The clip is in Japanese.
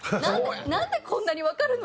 「なんでこんなにわかるの！？